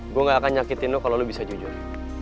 gue gak akan nyakitin lu kalo lu bisa jujur